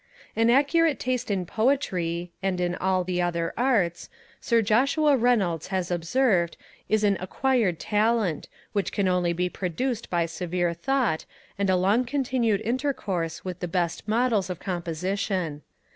An accurate taste in poetry, and in all the other arts, Sir Joshua Reynolds has observed, is an acquired talent, which can only be produced by severe thought, and a long continued intercourse with the best models of composition.